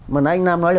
mà anh nam nói là